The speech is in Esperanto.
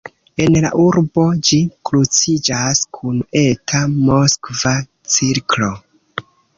En la urbo ĝi kruciĝas kun Eta Moskva cirklo.